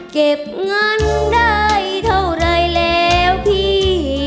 เก็บเงินได้เท่าไรแล้วพี่